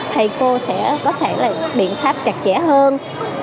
thầy cô sẽ có thể là biện pháp chặt chẽ hơn